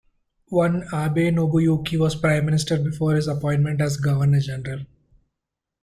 One, Abe Nobuyuki, was Prime Minister before his appointment as Governor-General.